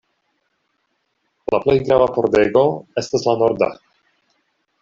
La plej grava pordego estas la norda.